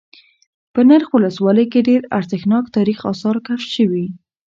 په نرخ ولسوالۍ كې ډېر ارزښتناك تاريخ آثار كشف شوي